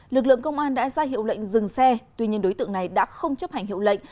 lực lượng công an đã ra hiệu lệnh dừng xe tuy nhiên đối tượng này đã không chấp hành hiệu lệnh